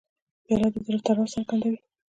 پیاله د زړه تړاو څرګندوي.